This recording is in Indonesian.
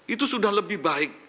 itu sudah lebih baik